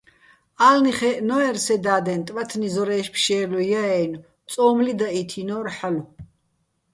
ა́ლნი ხაჲჸნო́ერ სე და́დენ, ტბათნი ზორაჲში̆ ფშე́ლუჲ ჲა -აჲნო̆, წო́მლი დაჸითინო́რ ჰ̦ალო̆.